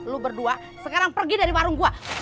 lu berdua sekarang pergi dari warung gua